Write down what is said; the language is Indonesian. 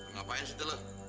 ngapain sih lu